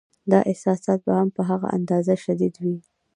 دا احساسات به هم په هغه اندازه شدید وي.